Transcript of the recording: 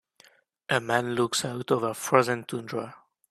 A man looks out over frozen tundra.